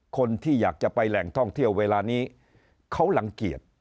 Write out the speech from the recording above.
คนที่อยากจะไปแหล่งท่องเที่ยวเวลานี้เขารังเกียจ